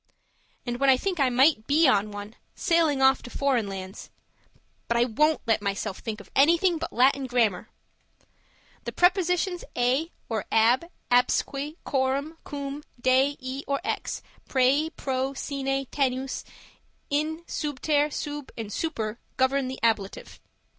And when I think I might be on one, sailing off to foreign lands but I WON'T let myself think of anything but Latin Grammar. The prepositions a or ab, absque, coram, cum, de e or ex, prae, pro, sine, tenus, in, subter, sub and super govern the ablative.